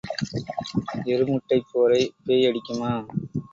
எருமுட்டைப் போரைப் பேய் அடிக்குமா?